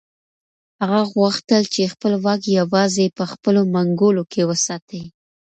هغه غوښتل چې خپل واک یوازې په خپلو منګولو کې وساتي.